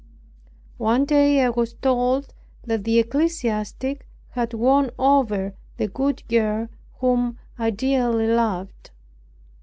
One day I was told that the ecclesiastic had won over the good girl whom I dearly loved.